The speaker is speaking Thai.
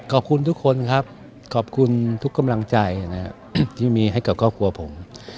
ขอบคุณทุกคนครับขอบคุณทุกกำลังใจนะครับที่มีให้กับครอบครัวผม